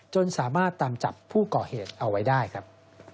จนสามารถตามจับผู้ก่อเหตุเอาไว้ได้ครับ